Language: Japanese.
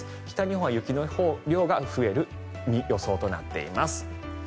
北日本は雪の量が増える予想となっています。